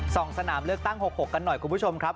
สนามเลือกตั้ง๖๖กันหน่อยคุณผู้ชมครับ